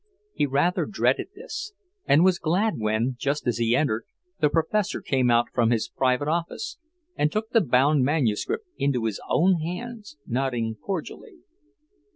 He rather dreaded this, and was glad when, just as he entered, the Professor came out from his private office and took the bound manuscript into his own hands, nodding cordially.